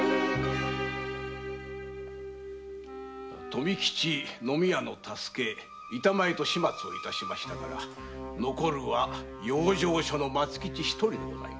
富吉飲み屋の多助板前と始末しましたから残るは養生所の松吉１人でございます。